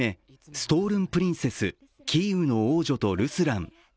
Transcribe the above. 「ストールンプリンセス：キーウの王女とルスラン」。